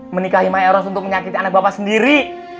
menikahi my eros untuk menyakiti anak bapak sendiri